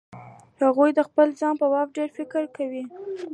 هغوی د خپل ځان په باب ډېر فکر کوي.